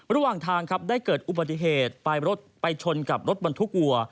ระหว่างทางได้เกิดอุบัติเหตุไปชนกับรถบรรทุกวัว